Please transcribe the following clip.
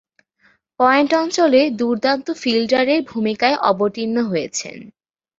Point অঞ্চলে দূর্দান্ত ফিল্ডারের ভূমিকায় অবতীর্ণ হয়েছেন।